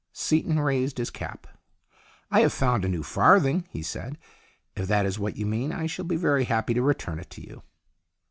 Seaton raised his cap. " I have found a new farthing," he said. "If that is what you mean, I shall be very happy to return it to you."